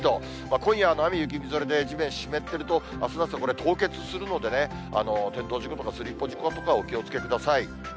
今夜は、雨や雪、みぞれで、地面、湿ってると、あすの朝、凍結するのでね、転倒事故とか、スリップ事故とか、お気をつけください。